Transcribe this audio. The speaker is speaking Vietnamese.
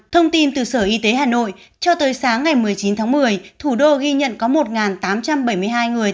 thông tin từ sở y tế hà nội cho tới sáng ngày một mươi chín tháng một mươi thủ đô ghi nhận có một tám trăm bảy mươi hai người